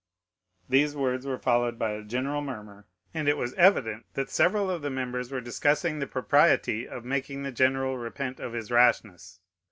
These words were followed by a general murmur, and it was evident that several of the members were discussing the propriety of making the general repent of his rashness.